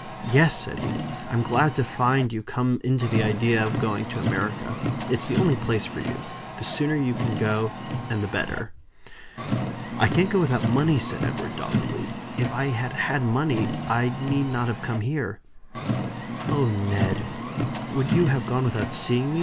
"Yes!" said he, "I'm glad to find you come into the idea of going to America. It's the only place for you. The sooner you can go, and the better." "I can't go without money," said Edward, doggedly. "If I had had money, I need not have come here." "Oh, Ned! would you have gone without seeing me?"